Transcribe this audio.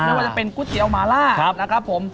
ไม่ว่าจะเป็นก๋วยเตี๋ยวหมาล่านะครับผม